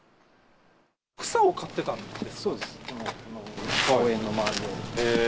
草を刈ってたんですか。